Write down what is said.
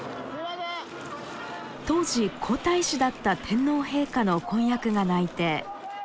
当時皇太子だった天皇陛下の婚約が内定。